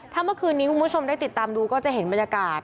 ถ้าเมื่อคืนนี้คุณผู้ชมได้ติดตามดูก็จะเห็นบรรยากาศ